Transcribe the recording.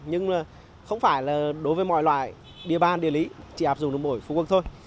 nhưng không phải là đối với mọi loại địa bàn địa lý chỉ áp dụng được mỗi phú quốc thôi